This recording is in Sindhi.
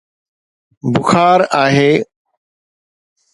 بخار آهي